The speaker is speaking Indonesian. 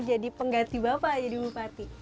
jadi pengganti bapak jadi bupati